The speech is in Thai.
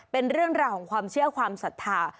เป็นเรื่องราวของความเชื่อความศรัทธา